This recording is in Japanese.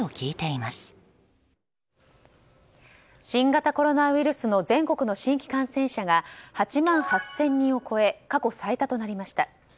新型コロナウイルスの全国の新規感染者が８万８０００人を超え過去最多となりました。